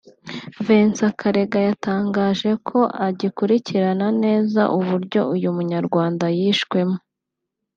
Vincent Karega yatangaje ko agikurikirana neza uburyo uyu munyarwanda yishwemo